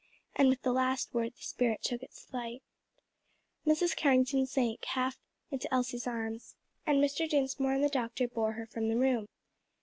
And with the last word the spirit took its flight. Mrs. Carrington sank, half fainting, into Elsie's arms, and Mr. Dinsmore and the doctor bore her from the room.